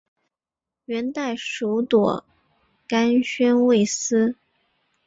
元代属朵甘宣慰司。